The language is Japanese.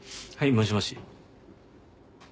もしもし。